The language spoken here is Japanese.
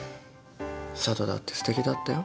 佐都だってすてきだったよ。